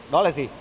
đó là gì